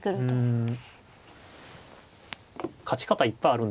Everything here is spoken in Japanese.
うん？